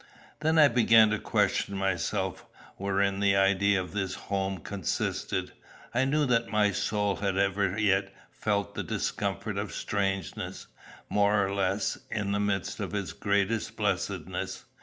Then I began to question myself wherein the idea of this home consisted. I knew that my soul had ever yet felt the discomfort of strangeness, more or less, in the midst of its greatest blessedness.